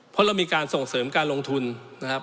เพราะเรามีการส่งเสริมการลงทุนนะครับ